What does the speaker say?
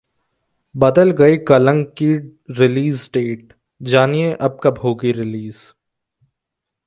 बदल गई कलंक की रिलीज डेट, जानिए अब कब होगी रिलीज